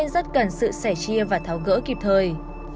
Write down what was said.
bàn sự sẻ chia và tháo gỡ kịp thời